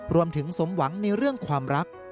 รวมถึงสมหวังในเรื่องความรัก